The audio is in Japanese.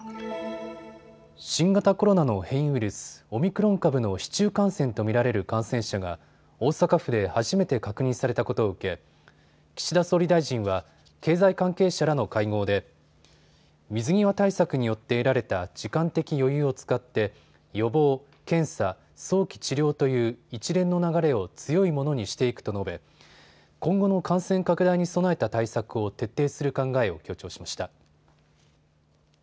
新型コロナの変異ウイルス、オミクロン株の市中感染と見られる感染者が大阪府で初めて確認されたことを受け岸田総理大臣は経済関係者らの会合で水際対策によって得られた時間的余裕を使って予防、検査、早期治療という一連の流れを強いものにしていくと述べ今後の感染拡大に備えた対策を徹底する考えを強調しました。